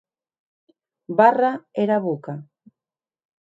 Barra era boca.